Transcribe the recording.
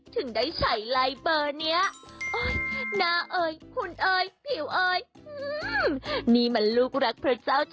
เจ้าแจ๊กริมเจ้า